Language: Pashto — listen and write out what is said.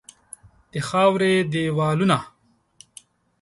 د خاوري دیوالونه